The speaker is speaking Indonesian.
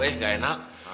eh enggak enak